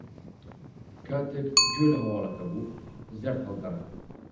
کاتێک گوێی لە ھەواڵەکە بوو، زەرد ھەڵگەڕا.